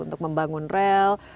untuk membangun rel